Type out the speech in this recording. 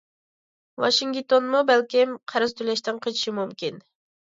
ۋاشىنگتونمۇ بەلكىم قەرز تۆلەشتىن قېچىشى مۇمكىن.